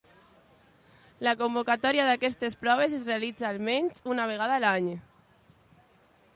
La convocatòria d'aquestes proves es realitza almenys una vegada l'any.